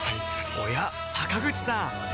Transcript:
おや坂口さん